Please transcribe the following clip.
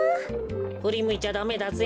ふりむいちゃダメだぜ。